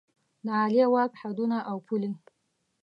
د عالیه واک حدونه او پولې